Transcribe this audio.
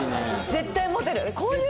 絶対モテる。